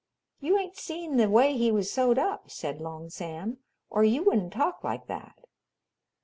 "You ain't seen the way he was sewed up," said Long Sam, "or you wouldn't talk like that."